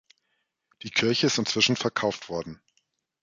Die Kirche ist inzwischen verkauft worden.